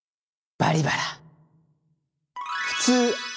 「バリバラ」。